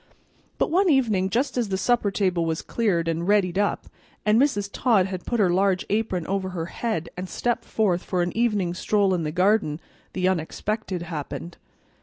But one evening, just as the supper table was cleared and "readied up," and Mrs. Todd had put her large apron over her head and stepped forth for an evening stroll in the garden, the unexpected happened.